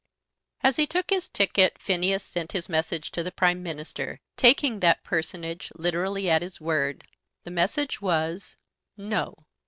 As he took his ticket Phineas sent his message to the Prime Minister, taking that personage literally at his word. The message was, No.